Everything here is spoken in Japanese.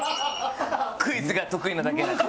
クイズが得意なだけで。